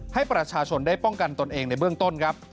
ให้ประชาชนได้ป้องกันตนเองในเบื้องต้นครับ